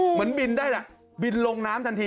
เหมือนบินได้ล่ะบินลงน้ำทันที